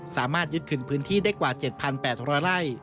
สามารถยึดคืนพื้นที่ได้กว่า๗๘๐๐ไร่